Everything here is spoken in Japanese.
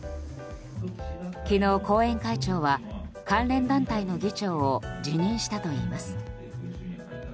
昨日、後援会長は関連団体の議長を辞任したといいます。